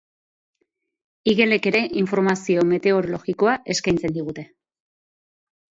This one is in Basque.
Igelek ere informazio meteorologikoa eskaintzen digute.